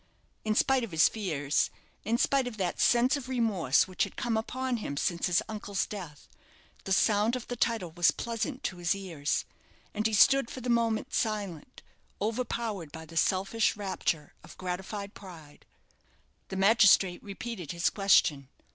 In spite of his fears in spite of that sense of remorse which had come upon him since his uncle's death the sound of the title was pleasant to his ears, and he stood for the moment silent, overpowered by the selfish rapture of gratified pride. The magistrate repeated his question.